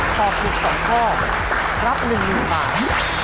ตอบถูกสองข้อรับหนึ่งหนึ่งบาท